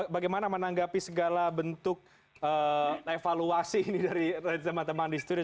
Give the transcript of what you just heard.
bagaimana menanggapi segala bentuk evaluasi ini dari teman teman di studio